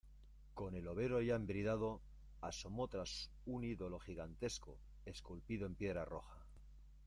con el overo ya embridado asomó tras un ídolo gigantesco esculpido en piedra roja.